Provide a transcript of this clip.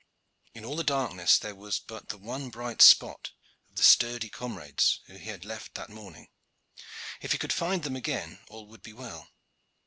In all the darkness there was but the one bright spot of the sturdy comrades whom he had left that morning; if he could find them again all would be well.